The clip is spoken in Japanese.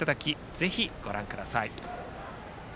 ぜひ、ご覧ください。